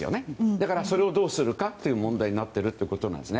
だから、それをどうするかということが問題になっているということです。